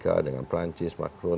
kita bandingkan dengan visi misi program